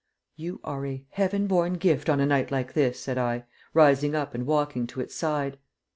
"You are a heaven born gift on a night like this," said I, rising up and walking to its side.